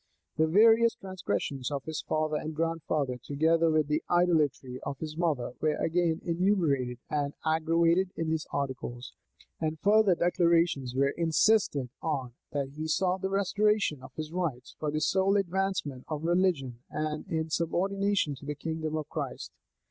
The various transgressions of his father and grandfather, together with the idolatry of his mother, are again enumerated and aggravated in these articles; and further declarations were insisted on, that he sought the restoration of his rights, for the sole advancement of religion, and in subordination to the kingdom of Christ.